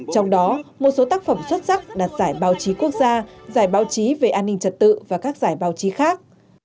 trong đó một số tác phẩm xuất sắc đạt giải báo chí quốc gia giải báo chí về an ninh trật tự và các giải báo chí khác